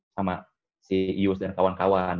sama si ius dan kawan kawan